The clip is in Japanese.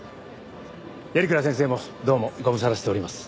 鑓鞍先生もどうもご無沙汰しております。